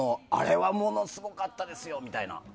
あれはものすごかったですよ、みたいな。